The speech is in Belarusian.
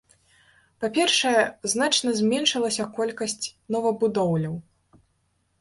Па-першае, значна зменшылася колькасць новабудоўляў.